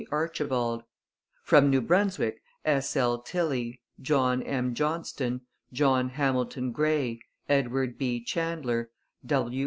Archibald; from New Brunswick, S. L. Tilley, John M. Johnston, John Hamilton Gray, Edward B. Chandler, W.